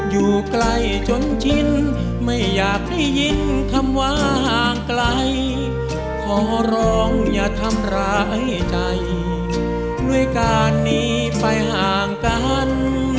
อยู่ใกล้จนชินไม่อยากได้ยินคำว่าห่างไกลขอร้องอย่าทำร้ายใจด้วยการหนีไปห่างกัน